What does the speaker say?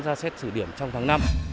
ra xét sử điểm trong tháng năm